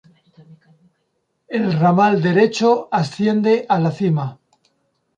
El ramal derecho asciende a la cima.